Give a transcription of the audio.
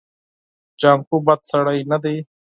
جانکو بد سړی نه دی.